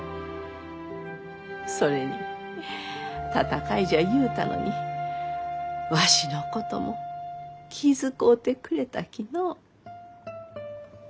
それに戦いじゃ言うたのにわしのことも気遣うてくれたきのう。